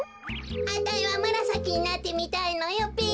あたいはむらさきになってみたいのよべ。